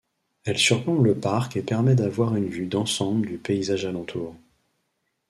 Elle surplombe le parc et permet d'avoir une vue d'ensemble du paysage alentour.